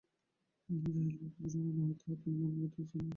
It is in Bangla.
যাহা স্পষ্ট প্রকাশমান নহে তাহা তিনি মনের মধ্যে স্থানও দিতেন না।